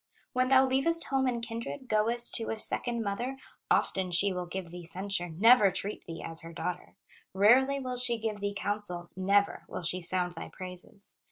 When thou leavest home and kindred Goest to a second mother, Often she will give thee censure, Never treat thee as her daughter, Rarely will she give thee counsel, Never will she sound thy praises.